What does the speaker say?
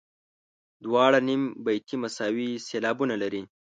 دواړه نیم بیتي مساوي سېلابونه لري.